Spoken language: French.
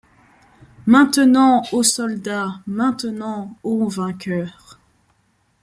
Maintenant, ô soldat, maintenant, ô vainqueur